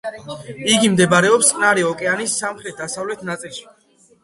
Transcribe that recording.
იგი მდებარეობს წყნარი ოკეანის სამხრეთ-დასავლეთ ნაწილში.